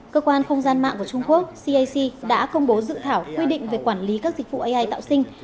cơ quan không gian mạng của trung quốc cac đã công bố dự thảo quy định về quản lý các dịch vụ ai tạo sinh